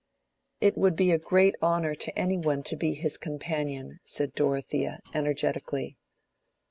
"It would be a great honor to any one to be his companion," said Dorothea, energetically.